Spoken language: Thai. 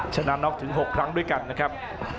ชนะน็อกถึง๖ครั้งด้วยกันนะครับ